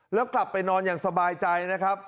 แล้วกลับไปนอนอย่างสบายใจนะครับ